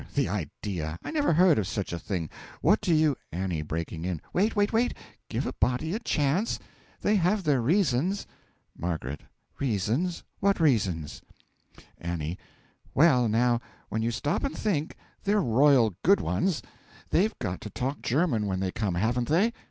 The idea! I never heard of such a thing! What do you A. (Breaking in.) Wait, wait, wait! give a body a chance. They have their reasons. M. Reasons? what reasons? A. Well, now, when you stop and think, they're royal good ones. They've got to talk German when they come, haven't they?